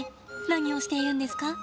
何をしているんですか？